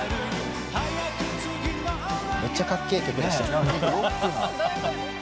「めっちゃかっけえ曲」「ロックな」